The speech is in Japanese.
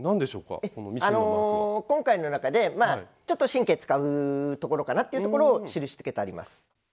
今回の中でまあちょっと神経使うところかなっていうところを印つけてあります。